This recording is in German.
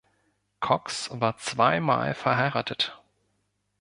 Cox war zweimal verheiratet.